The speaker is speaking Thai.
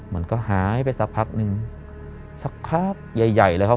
มันก็หายไปสักพักนึงสักพักใหญ่ใหญ่เลยครับ